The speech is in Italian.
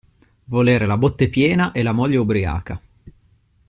Volere la botte piena e la moglie ubriaca.